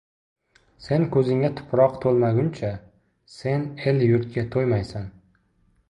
Sen ko‘zingga tuproq to‘lmaguncha — sen el-yurtga to‘ymaysan!